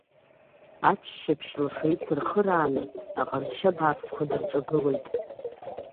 Аччаԥшь лаша ицырхырааны аҟазшьа бааԥсқәа дырҿагылоит.